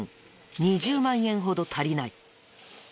２０万円ほど足りない。